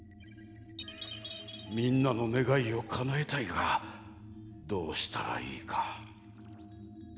みんなのねがいをかなえたいがどうしたらいいか。